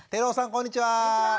こんにちは！